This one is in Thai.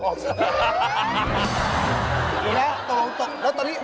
อยู่แล้วตรงแล้วตอนนี้